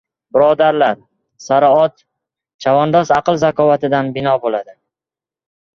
Birodarlar, sara ot, chavandoz aql-zakovatidan bino bo‘ladi!